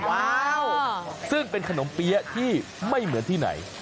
ว้าวซึ่งเป็นขนมเปี๊ยะที่ไม่เหมือนที่ไหน